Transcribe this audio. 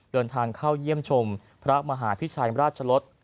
เดินทางเข้าเยี่ยมชมพระมหาพิชัยราชลศ